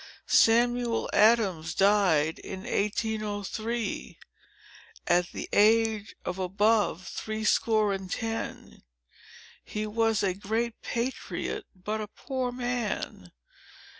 "Samuel Adams died in 1803, at the age of above threescore and ten. He was a great patriot but a poor man.